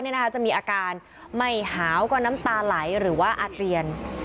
จะมีอาการไม่หาวก็น้ำตาไหลหรือว่าอาเจียน